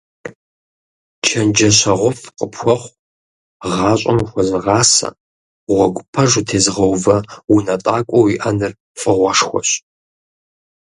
ЧэнджэщэгъуфӀ къыпхуэхъу, гъащӀэм ухуэзыгъасэ, гъуэгу пэж утезыгъэувэ унэтӀакӀуэ уиӀэныр фӀыгъуэшхуэщ.